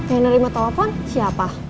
yang nerima telepon siapa